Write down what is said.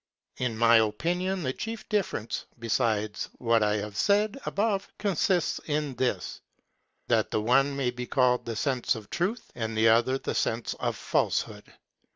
In my opinion the chief difference, besides what I have said above, consists in this, that the one may be called the sense of truth, and the other the sense of falsehood.